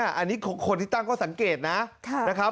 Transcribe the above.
อันนี้คนที่ตั้งก็สังเกตนะครับ